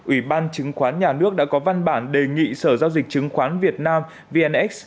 ủy ban chứng khoán nhà nước đã có văn bản đề nghị sở giao dịch chứng khoán việt nam vnx